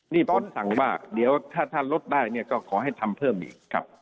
นี่ภอสุสังบ้างเดี๋ยวถ้ารถได้ก็ขอให้ทำเพิ่มอีก